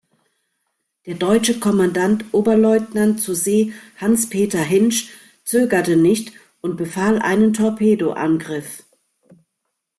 Der deutsche Kommandant Oberleutnant zur See Hans-Peter Hinsch zögerte nicht und befahl einen Torpedoangriff.